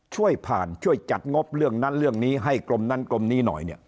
ช่วยผ่านช่วยจัดงบเรื่องนั้นเรื่องนี้ให้กรมนั้นกรมนี้หน่อยเนี่ย